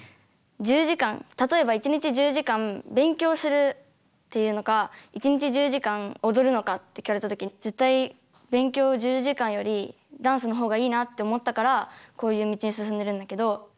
１０時間例えば１日１０時間勉強するっていうのか１日１０時間踊るのかって聞かれた時絶対勉強１０時間よりダンスの方がいいなって思ったからこういう道に進んでるんだけど。